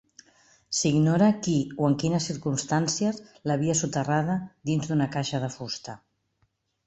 S'ignora qui o en quines circumstàncies l'havia soterrada dins d'una caixa de fusta.